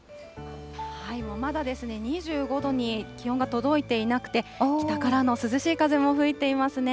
まだ２５度に気温が届いていなくて北からの涼しい風も吹いていますね。